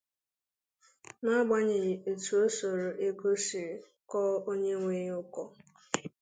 n'agbanyèghị etu ọ sọrọ ego si kọọ onye nwe ya ụkọ